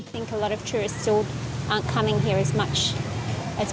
saya pikir banyak pengunjung masih tidak datang ke sini seperti mereka bisa